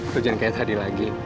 lu jangan kayak tadi lagi